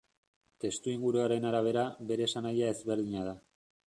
Testuinguruaren arabera, bere esanahia ezberdina da.